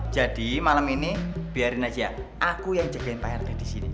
jadi malam ini biarin aja aku yang jagain payarnya disini